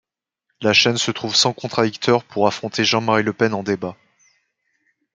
La chaîne se trouve sans contradicteur pour affronter Jean-Marie Le Pen en débat.